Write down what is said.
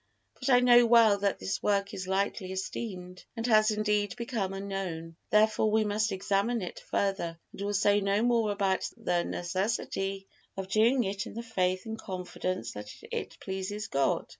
But I know well that this work is lightly esteemed, and has indeed become unknown. Therefore we must examine it further, and will say no more about the necessity of doing it in the faith and confidence that it pleases God.